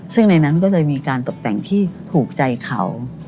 ซึ่งในนั้นก็เลยมีการตกแต่งที่ถูกใจเขา